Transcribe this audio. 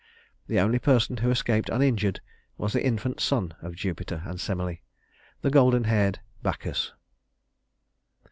The only person who escaped uninjured was the infant son of Jupiter and Semele, the golden haired Bacchus.